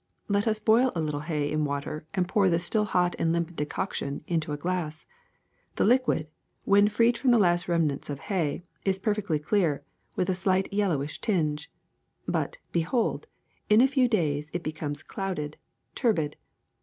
Let us boil a little hay in water and pour the still hot and limpid decoction into a glass. The liquid, when freed from the last remnants of hay, is perfectly clear, with a slightly yellowish tinge. But, behold, in a few days it becomes clouded, turbid.